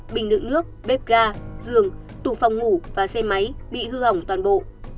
bình đựng nước bếp ga giường tủ phòng ngủ và xe máy bị hư hỏng toàn bộ